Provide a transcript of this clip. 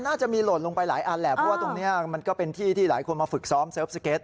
น่าจะมีหล่นลงไปหลายอันแหละเพราะว่าตรงนี้มันก็เป็นที่ที่หลายคนมาฝึกซ้อมเสิร์ฟสเก็ต